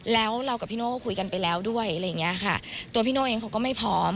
แล้วเรากับพี่โน่คุยกันไปแล้วด้วยอะไรอย่างเงี้ยค่ะตัวพี่โน่เองเขาก็ไม่พร้อม